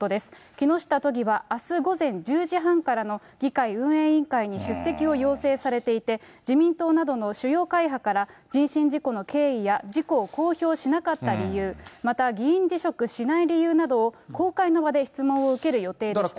木下都議はあす午前１０時半からの議会運営委員会に出席を要請されていて、自民党などの主要会派から人身事故の経緯や事故を公表しなかった理由、また議員辞職しない理由などを公開の場で質問を受ける予定でした。